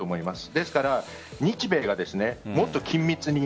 ですから、日米がもっと緊密に。